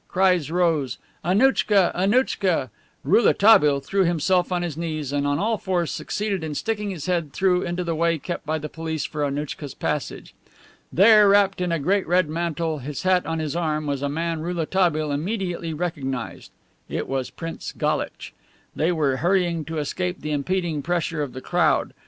Cries rose: "Annouchka! Annouchka!" Rouletabille threw himself on his knees and on all fours succeeded in sticking his head through into the way kept by the police for Annouchka's passage. There, wrapped in a great red mantle, his hat on his arm, was a man Rouletabille immediately recognized. It was Prince Galitch. They were hurrying to escape the impending pressure of the crowd.